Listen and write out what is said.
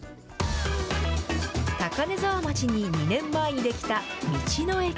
高根沢町に２年前に出来た道の駅。